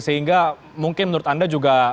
sehingga mungkin menurut anda juga